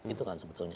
itu kan sebetulnya